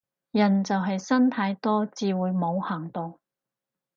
人就係呻太多至會冇行動